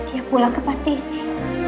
dia pulang ke pati ini